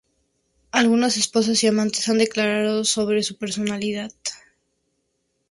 Algunas esposas y amantes han declarado sobre su personalidad.